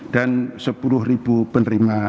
dan sepuluh ribu penerima